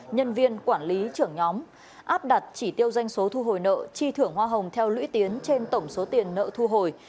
nhân viên quản lý trưởng nhóm áp đặt chỉ tiêu doanh số thu hồi nợ chi thưởng hoa hồng theo lũy tiến trên tổng số tiền nợ thu hồi